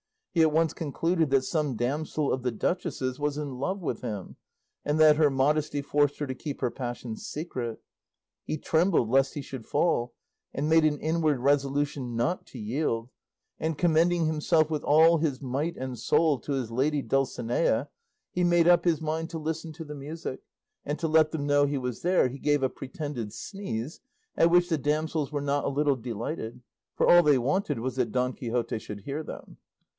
He at once concluded that some damsel of the duchess's was in love with him, and that her modesty forced her to keep her passion secret. He trembled lest he should fall, and made an inward resolution not to yield; and commending himself with all his might and soul to his lady Dulcinea he made up his mind to listen to the music; and to let them know he was there he gave a pretended sneeze, at which the damsels were not a little delighted, for all they wanted was that Don Quixote should hear them.